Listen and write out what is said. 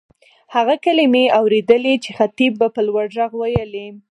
هغه کلیمې اورېدلې چې خطیب به په لوړ غږ وېلې.